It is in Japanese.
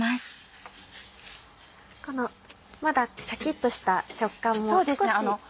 このまだシャキっとした食感も少し残る。